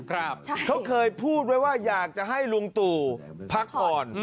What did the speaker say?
เขาเคยพูดไว้ว่าอยากจะให้ลุงตู่พักผ่อน